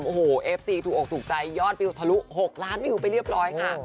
โอ้โหเอฟซีถูกออกถูกใจยอดวิวทะลุ๖ล้านวิวไปเรียบร้อยค่ะ